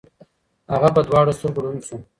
هغه په دواړو سترګو ړوند شو.